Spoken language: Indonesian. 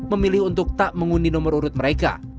memilih untuk tak mengundi nomor urut mereka